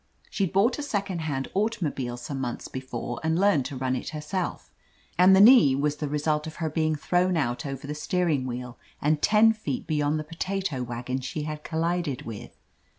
She'd bought a second hand automobile some months before, and learned to run it herself, and the knee was the result of her being thrown out over the steering wheel and ten feet beyond the potato wagon she had collided with.